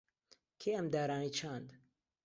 کێ ئەم دارانەی چاند؟